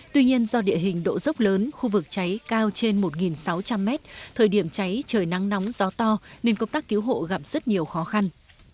tuy nhiên do địa hình độ dốc lớn khu vực cháy cao trên một sáu trăm linh mét thời điểm cháy trời nắng nóng gió to nên công tác cứu hộ gặp rất nhiều khó khăn